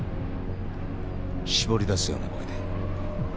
絞り出すような声で。